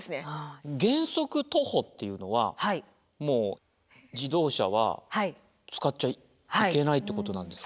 原則徒歩っていうのはもう自動車は使っちゃいけないってことなんですか？